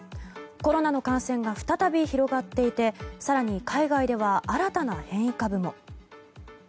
コロナの感染が再び広がっていて更に、海外では新たな変異株も。